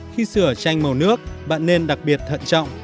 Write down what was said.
khi sửa tranh màu nước bạn nên đặc biệt thận trọng